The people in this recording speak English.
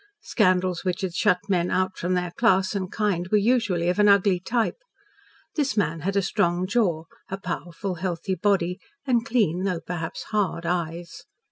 Scandals which had shut men out from their class and kind were usually of an ugly type. This man had a strong jaw, a powerful, healthy body, and clean, though perhaps hard, eyes.